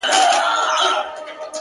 زه وايم راسه حوصله وكړو ـ